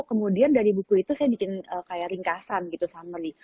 kemudian dari buku itu saya bikin kayak ringkasan gitu summary